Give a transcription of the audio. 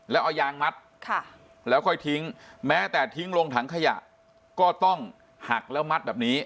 แล้วเอายางมัดแล้วค่อยทิ้งแม้แต่ทิ้งลงถังขยะก็ต้องหักแล้วมัดแบบนี้